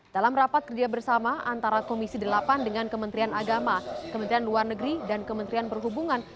dalam rapat kerja bersama antara komisi delapan dengan kementerian agama kementerian luar negeri dan kementerian perhubungan